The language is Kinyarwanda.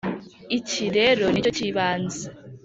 iki rero ni cyo cy’ibanze